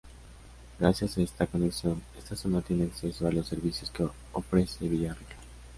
Gracias a esta conexión, esta zona tiene acceso a los servicios que ofrece Villarrica.